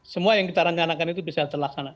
semua yang kita rencanakan itu bisa terlaksana